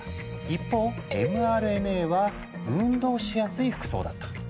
一方ｍＲＮＡは運動しやすい服装だった。